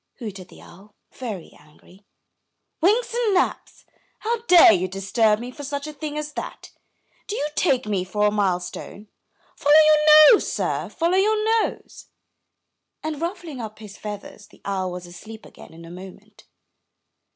hooted the owl, very angry. "Winks and naps! how dare you disturb me for such a thing as that? Do you take me for a mile stone? Follow your nose, sir, follow your nose!" — and, ruffling up his feathers, the owl was asleep again in a moment.